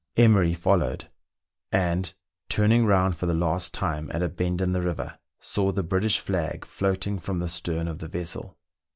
Emery followed, and, turning round for the last time at a bend in the river, saw the British flag floating from the stern of the vessel.